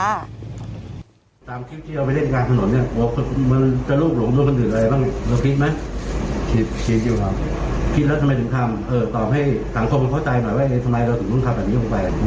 เฮ้ยอย่างเงี้ยมันถ้าเผื่อแล้วพ่อแม่รู้เรื่องเหมือนเดี๋ยวพ่อแม่มันเดินเขาแล้วจะกินยังไง